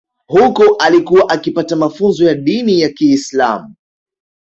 Huko alikuwa akipata mafunzo ya dini ya Kiislam